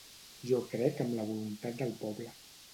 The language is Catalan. Jo crec amb la voluntat del poble.